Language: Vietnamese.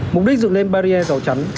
mục đích dựng lên barrier rào chắn